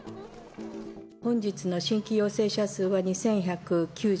本日の新規陽性者数は２１９８人。